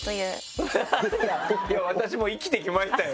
いや私も生きてきましたよ